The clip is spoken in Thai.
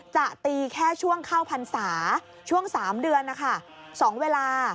จะตีแค่ช่วงเข้าพรรษาช่วง๓เดือนนะคะ๒เวลา